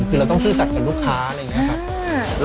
คือเราต้องซื่อสัตว์กับลูกค้าอะไรอย่างนี้ครับ